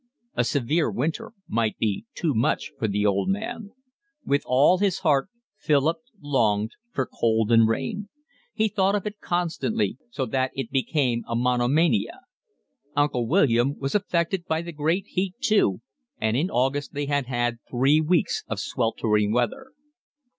A severe winter might be too much for the old man. With all his heart Philip longed for cold and rain. He thought of it constantly, so that it became a monomania. Uncle William was affected by the great heat too, and in August they had three weeks of sweltering weather.